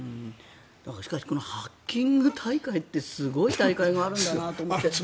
しかしこのハッキング大会ってすごい大会があるんだなと思って。